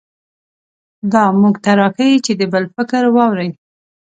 دا موږ ته راښيي چې د بل فکر واورئ.